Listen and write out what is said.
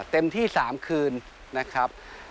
เต็มที่๓คืนนะครับ